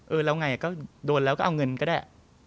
แล้วไงก็โดนแล้วก็เอาเงินก็ได้